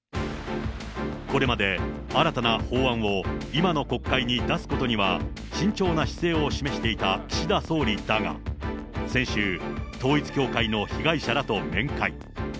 これまで、新たな法案を今の国会に出すことには慎重な姿勢を示していた岸田総理だが、先週、統一教会の被害者らと面会。